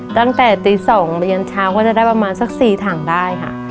ตั้งแต่ตี๒มายันเช้าก็จะได้ประมาณสัก๔ถังได้ค่ะ